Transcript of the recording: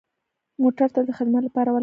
موټر تل د خدمت لپاره ولاړ وي.